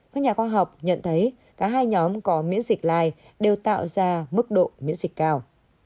các nhà khoa học nhận thấy cả hai nhóm có miễn dịch lai đều tạo ra mức độ miễn dịch cao